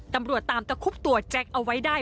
ตำรวจตามตะคุบตัวแจ็คเอาไว้ได้